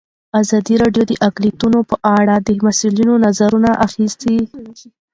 ازادي راډیو د اقلیتونه په اړه د مسؤلینو نظرونه اخیستي.